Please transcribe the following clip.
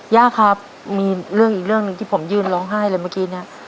ย่าครับมีเรื่องอีกเรื่องหนึ่งที่ผมยืนร้องไห้เลยเมื่อกี้เนี่ย